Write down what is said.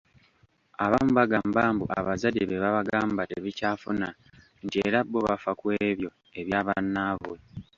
Abamu bagamba mbu abazadde bye babagamba tebikyafuna nti era bo bafa ku ebyo ebya bannaabwe.